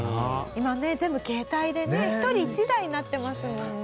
今ね全部携帯でね１人１台になってますもんね。